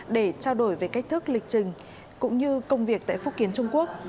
để trao đổi về cách thức lịch trình cũng như công việc tại phúc kiến trung quốc